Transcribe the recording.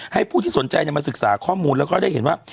ให้ผู้ที่สนใจมาศึกษาข้อมูลแล้วก็ได้เห็นว่า